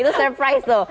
itu surprise tuh